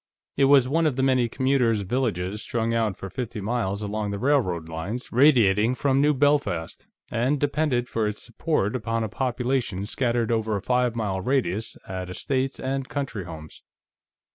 It was one of the many commuters' villages strung out for fifty miles along the railroad lines radiating from New Belfast, and depended for its support upon a population scattered over a five mile radius at estates and country homes.